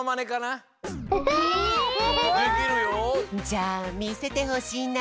じゃあみせてほしいな。